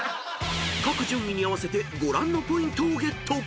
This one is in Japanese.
［各順位に合わせてご覧のポイントをゲット］